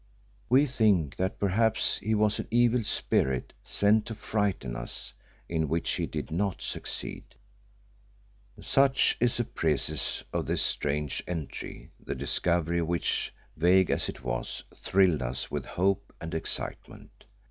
We think that perhaps he was an evil spirit sent to frighten us, in which he did not succeed." Such is a precis of this strange entry, the discovery of which, vague as it was, thrilled us with hope and excitement.